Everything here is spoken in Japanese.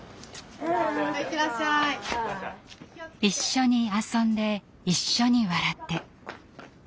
一緒に遊んで一緒に笑って。